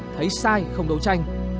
thấy sai không đấu tranh